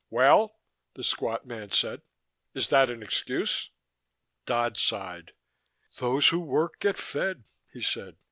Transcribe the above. "Well?" the squat man said. "Is that an excuse?" Dodd sighed. "Those who work get fed," he said.